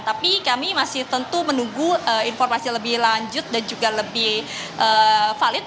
tapi kami masih tentu menunggu informasi lebih lanjut dan juga lebih valid